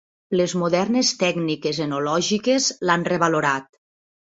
Les modernes tècniques enològiques l'han revalorat.